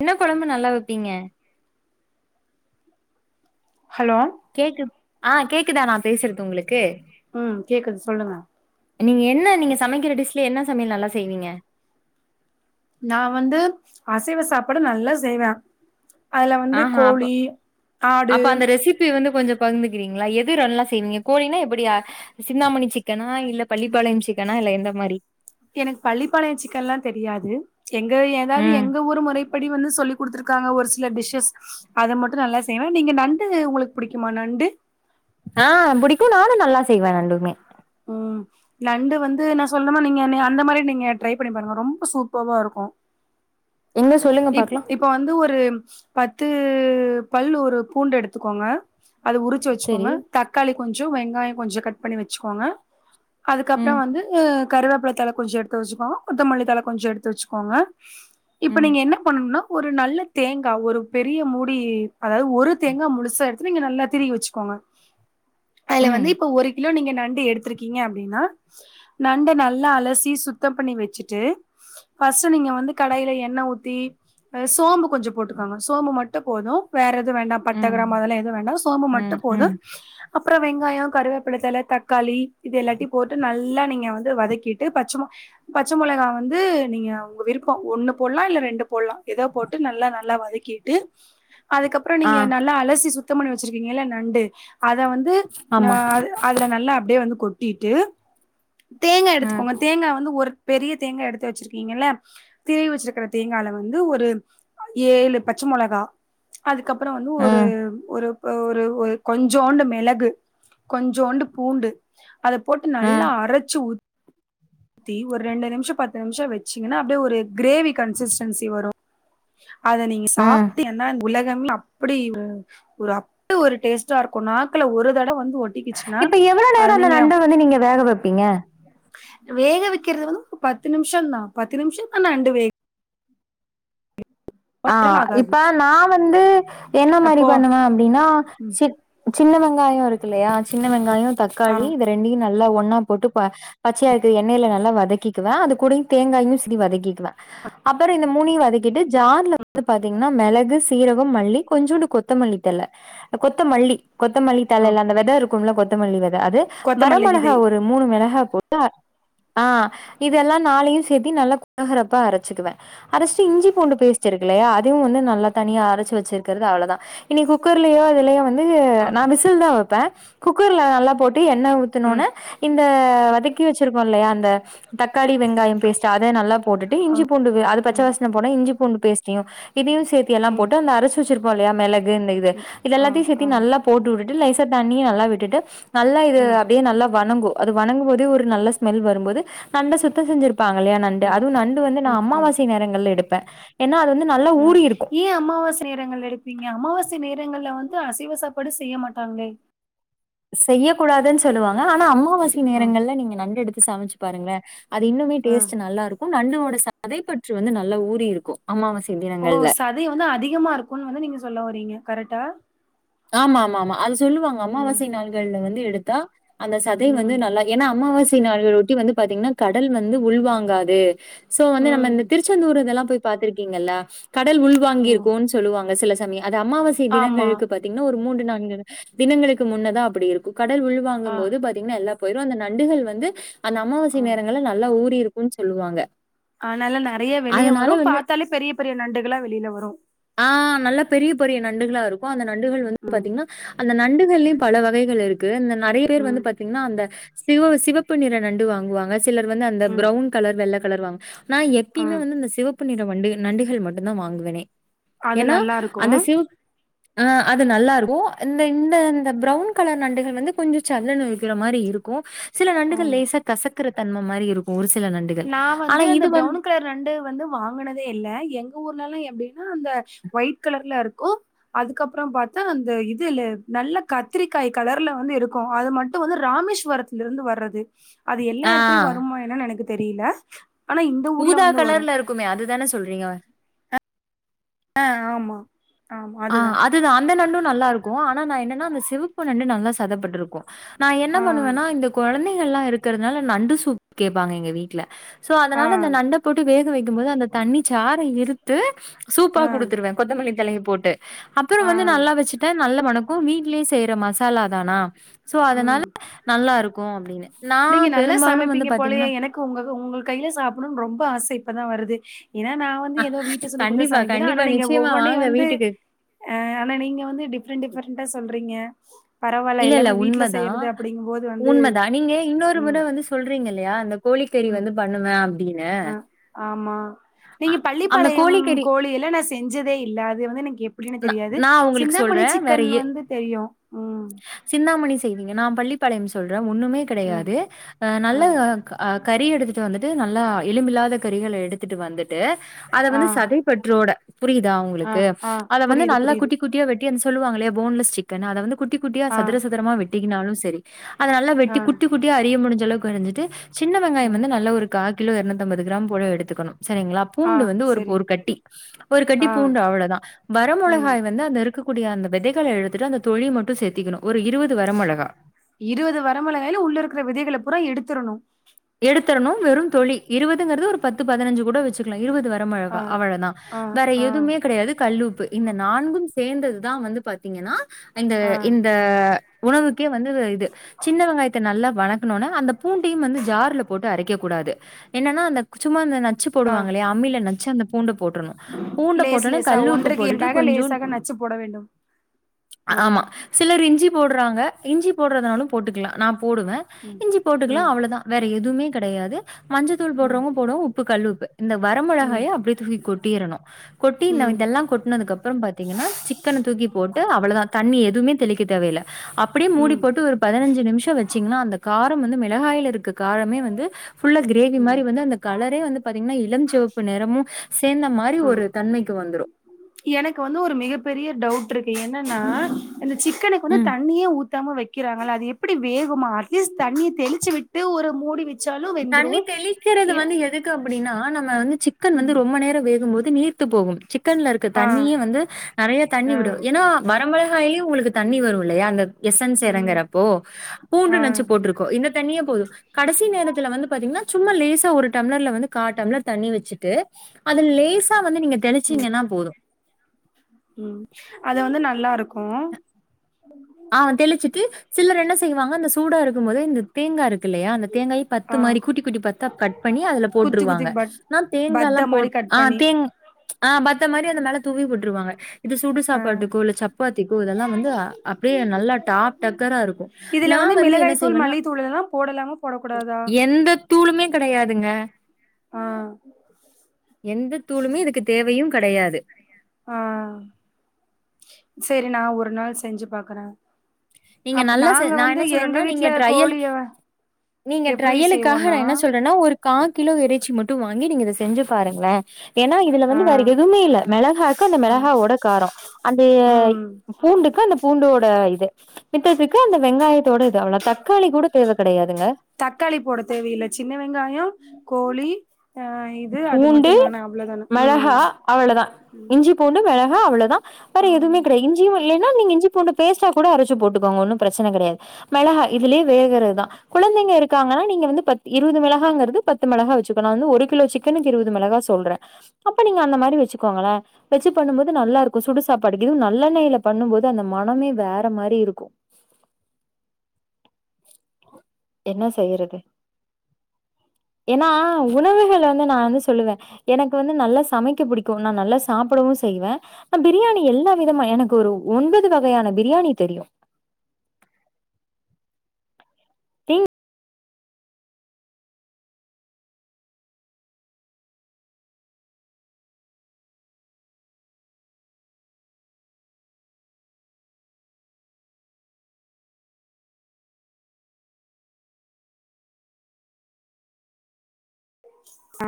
இன்னா கொழம்பு நல்லா வெப்பீங்க ஹலோ கேக்குத் அ கேக்குதா நா பேசுற்து உங்களுக்கு ம் கேக்குது சொல்லுங்க நீங்க என்ன நீங்க சமைக்கிற டிஷ்ல என்ன சமையல் நல்லா செய்வீங்க நா வந்து அசைவ சாப்பாடு நல்லா செய்வ அத்ல வந்து ஆஹா அப்ப கோழி ஆடு பகுந்துக்கிறீங்ளா எது நல்லா செய்வீங்க கோழினா எப்படியா சிந்தாமணி சிக்கனா இல்ல பள்ளிப்பாளையம் சிக்கனா இல்ல எந்த மாரி எனக்கு பள்ளிப்பாளையம் சிக்கன்ல்லா தெரியாது எங்க ஏதாவது ம் எங்க ஊர் முறைப்படி வந்து சொல்லிக் குடுத்துருக்காங்க ஒரு சில டிஷ்ஷஸ் அத மட்டு நல்லா செய்வே நீங்க நண்டு உங்களுக்கு புடிக்குமா நண்டு ஆ புடிக்கும் நானு நல்லா செய்வே நண்டுமே ம் நண்டு வந்து நா சொல்லணு நீங்க என்னய அந்த மாரி நீங்க ட்ரை பண்ணி பாருங்க ரொம்ப சூப்பவ்வா இருக்கும் எங்க சொல்லுங்க இப் பாக்கலா இப்ப வந்து ஒரு பத்து பல் ஒரு பூண்டு எடுத்துக்கோங்க அத உருச்சு செரி வச்சுக்கோங்க தக்காளி கொஞ்சோ வெங்காயோ கொஞ்ச கட் பண்ணி வச்சுக்கோங்க அதுக்கப்புற ம் வந்து அ கருவேப்பில தழ கொஞ்ச எடுத்து வச்சுகோங்க கொத்தமல்லிதழ கொஞ்ச எடுத்து வச்சுகோங்க இப்ப ம் நீங்க என்ன பண்ணனுனா ஒரு நல்ல தேங்கா ஒரு பெரிய மூடி அதாவது ஒரு தேங்கா முழுசா எடுத் நீங்க நல்லா திரிகி வச்சுகோங்க அதுல ம் வந்து இப்ப ஒரு கிலோ நீங்க நண்டு டு எடுத்துருக்கீங்க அப்டினா நண்ட நல்லா அலசி சுத்தம் பண்ணி வச்சுட்டு ஃபஸ்ட்டு நீங்க வந்து கடாயில எண்ணெ ஊத்தி சோம்பு கொஞ்சம் போட்டுக்காங்க சோம்பு மட்டு போது வேற எத் துவு வேண்டா பட்ட ம் கிராம்பு அதெல்லா எதுவு வேண்டா சோம்பு மட்டு ம் ம் போதும் அப்றொ வெங்காயோ கருவேப்பலத்தழ தக் காளி இது எல்லாட்டியு போட்டு நல்லா நீங்க வந் து வதக்கிட்டு பச்ச மொ பச்ச மொளகா வந்து நீங்க உங்க விருப்பம் ஒன்னு போடலா இல்ல ரெண்டு போடலா எதோ போட்டு நல்லா நல்லா வதக்கிட்டு அதுக்கப்புறோ ஆ நீங்க நல்லா அலசி சுத்தம் பண்ணி வச்சிருக்கீங்ல்ல நண்டு அத வந்து ஆ ஆமா அதுல நல்லா அப்டியே வந்து கொட்டிட்டு தேங்கா ம் எடுத்துகோங்க தேங்கா வந்து ஒரு பெரிய தேங்கா எடுத்து வச்சிருக்கீங்கல்ல திரிவி வச்சிருக்கிற தேங்கால வந்து ஒரு ஏழு பச்ச மொளகா அதுக்கப்பறோ வந்து ஒரு ம் ஒரு ஒரு ஒரு கொஞ்சோண்டு மிளகு கொஞ்சோண்டு பூண்டு அதப்போட்டு ம் நல்லா அரச்சு ஊத் தி ஒரு ரெண்டு நிம்ஷோ பத்து நிம்ஷோ வச்சீங்கனா அப்டியே ஒரு கிரேவி கன்சிஸ்டன்சி வரு அத நீங்க ம் சாப்ட்டு என்ன உலகம்லாம் அப்டி ஒரு ஒரு அப்டி ஒரு டேஸ்ட்டா இருக்கு நாக்ல ஒரு தடவ வந் இப்ப எவ்ளோ நேரோ அந்த நண்ட வந்து நீங்க வேக வப்பீங்க வேக வைக்கிறது வந்து பத்து நிம்ஷோம் தா பத்து நிம்ஷோம் அந்த நண்டு வேக் அ நாள் ஆகாது இப்ப நா வந்து என்ன மாரி எப்போ பண்ணுவே அப்டின்னா ம், சிட் சின்ன வெங்காயோ இருக்குல்லையா சின்ன வெங்காயோ தக்காளி ஆமா இது ரெண்டையு நல் எல்லா ஒன்னா போட்டு ப பச்சையா இருக்குற எண்ணெயில நல்லா வதக்கிக்குவே அது கூடயு தேங்காயு செரி வதக்கிக்குவே அப்பறோம இந்த மூணையும் வதக்கிட்டு ஜார்ல வந்து பாத்தீங்கஃன்னா மெளகு சீரகோ மல்லி கொஞ்சோன்டு கொத்தமல்லிதழ கொத்தமல்லி கொத்தமல்லி தழ ஆ இல்ல அந்த வெத இருக்கும்ல கொத்தமல்லி வெத அது வர கொத்தமல்லி விதை மொளகா ஒரு மூணு மெளகா போட் த ஆ இதெல்லா நாலையு சேத்தி நல்லா குலகரப்பா அரச்சுக்குவே அரச்டு இஞ்சி புண்டு பே பேஸ்டு இருக்குல்லயா அதுவு வந்து நல்லா தனியா அரச்சு வச்சிருக்றது அவ்ளோதா இனி குக்கர்லயோ இதுலயோ வந்து ந்து நா விசில் தா வைப்பே குக்கர்ல நல்லா போட் டு என்ன ம் ஊத்துனோன இந்த வதக்கி வச்சுருக் கோல்லயா அந்த தக்காளி வெங்காயோ பேஸ்ட் அத நல்லா போட்டு இஞ்சி பூண்டு அது பச்ச ம் வசன போன இஞ்சி பூ ண்டு பேஸ்ட்யு இதுயு சேத்தி எல்லா ம் போட்டு அந்த அரச்சு வச்சுருகோம்ல்லயா மெளகு இந்த இது இது ஆ எல்லாத்தையு சேத்து ஆ நல்லா போட்டு விட்டுட்டு லேசா தண்ணிய நல்லா விட்டுட்டு நல்லா இது ம் அப்டியே நல்லா வணங்கு அது வணங்கும் போது ஒரு நல்ல ஸ்மெல் வரும்போது நல்லா சுத்தோ செஞ்சுருப் இருப்பாங்கல்லையா நண்டு ம் அதுவு நண்டு வந்து நா அம்மாவாசை நேரங்கள்ல எடுப்ப அ ஏ அம்மாவாசை நேரங்கள்ல எடுப்பீங்க அம்மாவாசை நேர ங்கள்ல வந்து அசைவ சாப்பாடு செய்ய மாட்டாங்களே செய்ய கூடாதுன் சொல்லுவாங்க ஆனா அம்மாவாசை ஆ நேரங்கள்ல நீங்க நண்டு எடுத்து சமச்சு பாருங்ளே அது இன்னுமே ஆ டேஸ்ட்டு நல்லா இருக்கு நண்டோட சதைப்பற்று வந்து நல்லா ஊறி இருக்கு அம்மாவாச ஓ சதை வந்து அதிகமா இருக்குன்னு வந்து நீங்க சொல்லவறீங்க கரெக்டா ஆமா ஆமா ஆமா அது சொல்லுவாங்க ம் அம்மாவாசை நாள்கள்ல வந்து எடுத்தா அந்த சதை வந்து ம் நல்லா ஏன்னா அம்மாவாசை நாளொட்டி வந்து பாத்தீங்கன்னா கடல் வந்து உள்வாங்காது சோ வந்து நம்ம ம் இந்த திருச்செந்தூர் இதெல்லா போய் பாத்திருக்கீங்கல்ல கடல் ஓ உள்வாங்கிருக்குன்னு சொல்லுவாங்க சில சமயம். அது அம்மாவாசை ஆமா தினங்களுக்கு பாத்தீங்கன்னா ஒரு மூன்று நான்கு தினங்களுக்கு முன்னதா அப்படி இருக்கு கடல் ஆ உள்வாங்கும் போது பாத்தீங்கன்னா எல்லா போயுறு அந்த நண்டுகள் வந்து அந்த ஆ அம்மாவாசை நேரங்கல நல்லா ஊரி க்குன்னு சொல்லுவாங்க அனால நிறைய வெளிய அதனால வரு வந்து பாத்தாலே பெரிய பெரிய நண்டுகளா வெளில வரு ஆ நல்லா பெரிய பெரிய நண்டுகளா இருக்கு அந்த நண்டுகள் வந்து ம் பாத்தீங்கன்னா அந்த நண்டுகள்லயு பல வகைகள் இருக்கு இந்த நறைய பேர் ம் வந்து பாத்தீங்கன்னா அந்த சிவ சிவப்பு நிற நண்டு வாங்குவாங்க சிலர் வந்து அந்த ம் ப்ரவுன் கலர் வெள்ள கலர் வாங்க நா ஆ எப்பியுமே வந்து இந்த சிவப்பு நிற வண்டு நண்டுகள் மட்டுதா வாங்குவனே அது ஏன்னா நல்லாருக்கு. அந்த சிவப் ஆ அது நல்லா இருக்கு இந்த இந்த இந்த ப்ரவுன் கலர் நண்டுகள் வந்து கொஞ்சோ சல்லுனு இழுக்கிற மாரி இரு க்கு சில நண்டுகள் ம். லேசா கசக்குற தன்ம மாரி இருக்கு நா வந்து அந்த ப்ரவுனு கலர் நண்டு வந்து வாங்குனதே இல்ல எங்க ஊர்ல எல்லா எப் அந்த ஒயிட் கலர்ல இருக்கு அதுக்கப்புறம் பாத்தா அந்த இது நல்ல கத்திரிக்க ய் கலர்ல வந்து இருக்கு அது மட்டு வந்து ராமேஸ்வரத்ல இருந்து வர்றது அது எல்லா ஆ இடத்துலயு வருமா என்னனு எனக்கு தெரிய்ல ஊதா கலர்லருக்குமே அதுதானே சொல்றீங்க அ ஆமா ஆமா ஆ அதுதான். அதுதா அந்த நண்டு நல்லாருக்கு ஆனா நா என்னன்னா அந்த சிவப்பு நண்டு நல்லா சதப்பட்ருக்கு நா என்ன ஆ, பண்ணுவேன்னா இந்த குழந்தைகள்ல்லா இருக்கறதுனால நண்டு சூப் கேப்பாங்க எங்க வீட்ல சோ ஆ, அதனால அந்த நண்ட போட்டு வேக வைக்கும் போது அந்த தண்ணி சார இறுத்து சூப்பா ஆ, குடுத்துருவே கொத்தமல்லி தழைய போட்டு அப்புற ஆ, வந்து நல்லா வெச்சுட்டா நல்ல மணக்கு வீட்லே செய்ற மசாலா தானா சோ அதனால ம். நல்லாருக்கும் அப்படின்னு. நீங்க நான் நல்லா பெரும்பாலும் வந்து சமைப்பீங்க போலயே பாத்தீங்கன்னா எனக்கு உங்க உங்கள் கையில சாப்புடணும்னு ரொம்ப ஆசை இப்பதா வருது ஏனா நா வந்து எதோ வீட்ல சொல்லி கொடுத்த கண்டிப்பா, சமைக்கிறே ஆனா கண்டிப்பா. நீங்க நிச்சயமா ஒவ்வொன்னையு வாங்க வந்து வீட்டுக்கு. ஆ ஆனா நீங்க வந்து டிஃபரெண்ட் டிஃபரெண்டா சொல்றீங்க பரவால்ல எல்லாமே வீட் தா உண்மதா நீங்க இன்னொரு ம், முறை வந்து சொல்றீங்கல்லையா அந்த கோழிக்கறி ம். வந்து பண்ணுவே அ ஆமா அ நீங்க அந்த பள்ளிப்பாளையம் கோழிக்கறி கோழில்ல நா செஞ்சதே இல்ல அது வந்து எனக் எப்டின்னு நா தெரியாது நான் உங்களுக்கு சிந்தாமணி சொல்றேன். வேற சிக்கன் எ வந்து தெரியு சிந்தாமணி செய்வீங்க நா பள்ளிப்பாளையம் சொல் றே ஒண்ணுமே அ, கெடையாது அ நல்ல அ கறி எடுத்து வந்துட்டு நல்லா எலும்பில்லாத கறிகள எடுத்துட்டு வந்துட்டு அத ஆ, வந்து சதைப்பற்றோட புரியுதா ஆ, உங்களுக்கு ஆ. அத வந்து புரியுது, நல்லா புரியுது. குட்டி குட்டியா வெட்டி அந்த சொல்லுவாங்கல்லையா போன்லெஸ் சிக்கன் அத வந்து குட்டி குட்டியா ஆ, சதுர சதரமா வெட்டிக்கினாலு செரி அத நல்லா ஆ, வெட்டி குட்டி குட்டியா அறிய முடிஞ்ச அளவுக்கு அரிஞ்சிட்டு சின்ன வெங்காயம் ம். வந்து நல்லா ஒரு கா கிலோ இருநூத்தம்பது கிராம் போல எடுத்துக்கணு சரிங்களா ஆ, பூண்டு வந்து ஒரு சரி. ஒரு கட்டி ஒரு கட்டி ஆ, பூண்டு அவ்வளதா வர ம். மொளகாய் வந்து அந்த இருக்கு கூடிய அந்த வெதைகள எழுத்துட்டு அந்த தொளி மட்டு சேத்திக்கணு ஒரு இருவது வரமொளகா இருவது வரமிளகாய்ல உள்ள இருக்குற விதைகளை பூரா எடுத்துரணு எடுத்துரணு வெறு தொளி இருபதுங்கிறது ஒரு பத்து பதினஞ்சு கூட வெச்சுக்கலா இருவது வர ஆ மிளகா அவ்வளதா ஆ வேற ஆ எதுமே கெடையாது கல் உப் ப்பு இந்த நான்கும் சேந்ததுதா வந்து பாத்தீங்கன்னா இந்த ஆ இந்த உணவு க்கே வந்து இது சின்ன வெங்காயத்தை நல்லா வணக்கனோனே அந்த பூண்டையும் வந்து ஜார்ல போட்டு அரைக்கக் கூடாது என்னன்னா அந்த சும்மா அந்த நச்சு ஆ போடுவாங்கல்லையா அம்மில நச்சு அந்த பூண்ட போட்ரணு பூண்ட லேஸ் போட்டொன்னே லேசா கல்லு உப்பு ஒன்றுக்கு போட்டுட்டு இரண்டாக கொஞ்சூன் லேசாக நச்சு போட வேண்டும் ஆ ஆமா சிலரிஞ்சி போடுறாங்க இஞ்சி போடுறதுனாலு போட்டுக்கலா நா போடுவ ம் இஞ்சி போட்டுக்லா ம் அவ்ளதா எதுமே கடையாது மஞ்ச தூள் ம் போடுறவங்க போடுவாங்க உப்பு கல்லுப்பு இந்த ம் வரமொளஹாய அப்டே தூக்கி கொட் ட்டீரனு கொட்டி இந்த ம் இதல்லா கொட்னதுக்ப்றம் பாத்தீங்கன்னா சிக்கன தூக்கி போட்டு அவ்வளதா தண்ணி எத் துமே தெளிக்க தேவயில்ல அப்டியே மூடி ம் போட்டு ஒரு பதினஞ்சு நிம்ஷோ வெச்சீங்கன்னா அந்த கார் ரம் வந்து மிளஹாயில இருக்க காரமே வந்து ஃபுல்ல கிரேவி மாரி ம் வந்து அந்த கலரே வந்து பாத்தீங்கன்னா இளம்ச்சிவப்பு நேரமுநசேர்ந்த மாரி ஒரு தன்மைக்கு வந்துரு எனக்கு வந்து ஒரு மிகப் பெரிய டவுட் டு என்னன்னா இந்த சிக்கனுக்கு வந்து ம். தண்ணியே ஊத்தாம வெக்கிறாங்கல்ல அது எப் ப்டி வேகுமா அட்லீஸ்ட் தண்ணிய தெளிச்சு விட்டு ஒரு மூடி வெச்சாலு வந்துரு தண்ணி தெளிக்கிறது வந்து எதுக்கு அப்படின்னா நம்ம வந்து சிக்கன் வந்து ரொம்ப நேரோ வேகும்போது நீர்த்து போகு சிக்கன்ல இருக்க ஆ தண்ணியே வந்து நறைய தண்ணி ஆ விடு ஏன்னா வரமளஹாயே உங்களுக்கு தண்ணி வருல்லையா அந்த எசன்ஸ் ம் எரங்கறப்போ ஆ பூண்டு நச்சு போட்ருக்கோ இந்த தண்ணியே போது கடசி நேரத் துல வந்து பாத்தீங்கன்னா சும்மா லேசா ஒரு டம்ளர்ல வந்து கா டம்ளர் தண்ணி வச்சிட்டு அது லேசா வந்து நீங்க தெளிச்சீங்கன்னா போது ம் அது வந்து நல்லாருக்கு ஆ தெளிச்சுட்டு சிலர் என்ன செய்வாங்க அந்த சூடா இருக்கும் போதே இந்த தேங்கா இருக் கில்லையா அந்த தேங்காயு ஆ பத்து மாரி கூட்டி கூட்டி பத்தா கட் பண்ணி அதுல குத்தி குத்தி போட்ருவாங்கா பட் நா தேங்காலா பத்த மாரி போட் கட் ஆஹ் பண்ணி தேங்க் ஆஹ் பத்த மாரி அந்த மேல தூவி போட்ருவாங்க இது சுடு ஆ சாப்பாட்டுக்கோ இல்ல சப்பாத்திக்கோ இதெல்லா வந்து அ டியே நல்லா டாப் டக்கரா இருக்கு இதுல நா வந்து என்ன மிளகாய் தூள் செய்வனா மல்லித்தூள் எல்லா போடலாமா என் போடக்கூடாதா எந்த தூளுமே கடையாதுங்க ஆஹ் எந்த தூளுமே இதுக்கு தேவயும் கடையாது ஆஹ் சரி நா ஒரு நாள் செஞ்சு பாக்குற நீங்க நல்லா செ நா என்ன சொல்றன்னா நீங்க ட்ரையலு கோழிய நீங்க எப்டி ட்ரையலுக்காஹ நா செய்வோனா என்ன சொல்றனா ஒரு கா கிலோ இறைச்சி மட் டு வாங்கி நீங்க இத செஞ்சு பாருங்ளே ஏன்னா இதுல ஆ வந்து வேற எதுவுமே இல்ல மெளஹாக்கு அந்த ஆ மெளஹாவோட காரோ அந்த ம் பூண்டுக்கு அந்த பூண்டோட இது மித்ததுக்கு அந்த வெங்காயத்தோட இது அவ்ளா தக்காளி கூட தேவ கடையாத் தக்காளி போட தேவயில்ல சின்ன வெங்காயோ கோழி ஆ இது அது பூண்டு மட்டுந்தான அவ்ளோதான மெளஹா ம் அவ்வளதா இஞ்சி பூண்டு மெளஹா அவ்வளதா பற ம் எதுமே கட இஞ்சியுமே இல்லேனா நீங்க இஞ்சி பூண்டு பேஸ்டா கூட அரச்சு போட்டுக்கோங்க ஒன்னு ப்ரெச்சன கடையாது மெளஹா இதுலே‌ வேகறதுதா கொழந்தைங்க இருக்காங்கன்னா நீங்க வந்து பத் இருவது மெளஹாங்கிறது பத்து மெளஹா வெச்சுக்கனு நா வந்து ஒரு கிலோ சிக்கனுக்கு இருவது மெளஹா சொல்ற அப்ப நீங்க அந்த மாரி வெச்சுக்கோங்களே வெச்சு பண்ணும்போது நல்லா இருக்கு சுடுசா ப்பாடுக்கு இன்னு நல்லெண்ணைல பண்ணும்போது அந்த மனமே வேற மாரி இருக்கு என்ன செய்யறது ஏனா உணவுஹள் வந்து நா வந்து சொல்லுவ எனக்கு வந்து நல்லா சமைக்க புடிக்கு நா நல்லா சாப்படவு செய்வ அ பிரியாணி எல்லா விதமா எனக்கு ஒரு ஒன்பது வகையான பிரியாணி தெரியு நீங்க